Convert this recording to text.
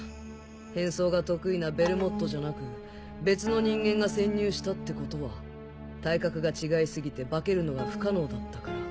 変装が得意なベルモットじゃなく別の人間が潜入したってことは体格が違い過ぎて化けるのが不可能だったから。